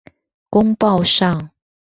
公報上